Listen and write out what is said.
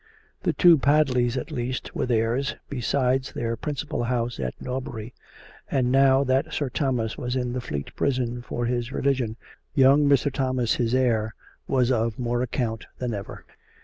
The two Padleys, at least, were theirs, besides their principal house at Norbury; and now that Sir Thomas was in the Fleet Prison for his religion, young Mr. Thomas, his heir, was of more account than ever.